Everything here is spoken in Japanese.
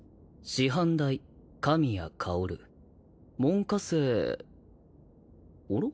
「師範代神谷薫」「門下生」おろ？